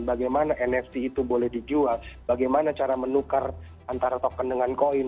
bagaimana nft itu boleh dijual bagaimana cara menukar antara token dengan koin